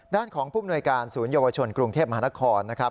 ด้านของผู้มนวยการศูนยวชนกรุงเทพมหานครนะครับ